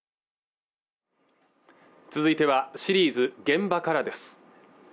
続いてはシリーズ「現場から」です